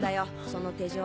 その手錠。